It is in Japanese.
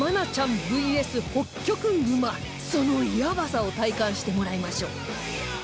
それではそのヤバさを体感してもらいましょう